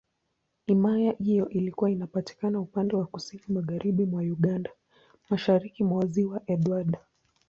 Himaya hiyo ilikuwa inapatikana upande wa Kusini Magharibi mwa Uganda, Mashariki mwa Ziwa Edward.